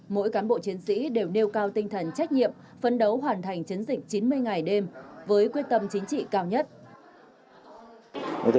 mỗi cán bộ chiến sĩ đều nêu cao tinh thần trách nhiệm phấn đấu hoàn thành chiến dịch chín mươi ngày đêm với quyết tâm chính trị cao nhất